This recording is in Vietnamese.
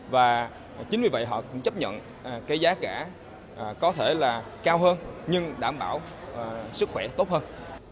và chính vì vậy họ cũng chấp nhận cái giá cả có thể là cao hơn nhưng đảm bảo sức khỏe tốt hơn